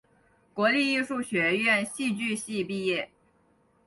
国立艺术学院戏剧系毕业。